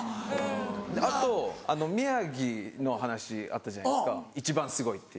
あと宮城の話あったじゃないですか一番すごいって。